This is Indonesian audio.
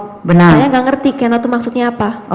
saya gak ngerti cannot itu maksudnya apa